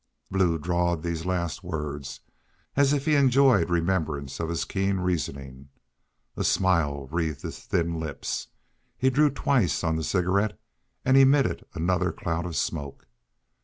Blue drawled these last words, as if he enjoyed remembrance of his keen reasoning. A smile wreathed his thin lips. He drew twice on the cigarette and emitted another cloud of smoke.